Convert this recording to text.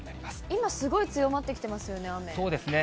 今、すごい強まってきていまそうですね。